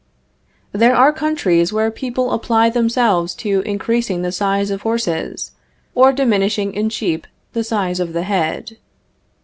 There are countries where people apply themselves to increasing the size of horses, or diminishing in sheep the size of the head.